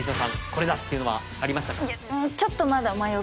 これだ！っていうのはありましたか？